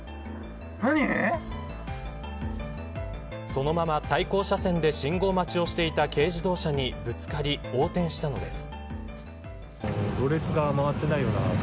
そのまま対向車線で信号待ちをしていた軽自動車にぶつかり横転したのです。